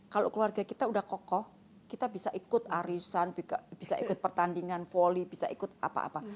kalau keluarga kita udah kokoh kita bisa ikut arisan bisa ikut pertandingan volley bisa ikut apa apa